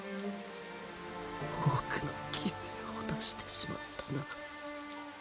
多くの犠牲を出してしまったな。